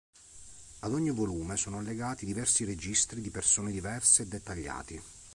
Ad ogni volume sono allegati diversi registri di persone diverse e dettagliati.